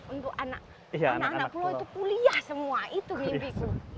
untuk anak anak pulau itu kuliah semua itu mimpiku